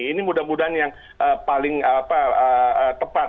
ini mudah mudahan yang paling tepat